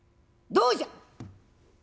どうじゃ？」。